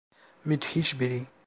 Müthiş biri.